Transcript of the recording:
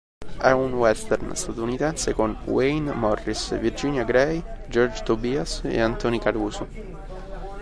È un western statunitense con Wayne Morris, Virginia Grey, George Tobias e Anthony Caruso.